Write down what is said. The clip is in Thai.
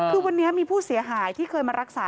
คือวันนี้มีผู้เสียหายที่เคยมารักษา